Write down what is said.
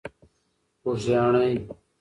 خوږیاڼۍ.